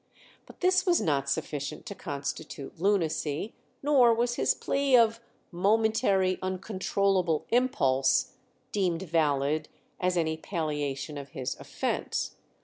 But this was not sufficient to constitute lunacy, nor was his plea of "momentary uncontrollable impulse" deemed valid as any palliation of his offence.